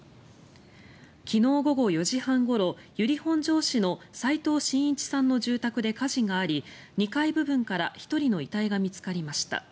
昨日午後４時半ごろ由利本荘市の齋藤真一さんの住宅で火事があり２階部分から１人の遺体が見つかりました。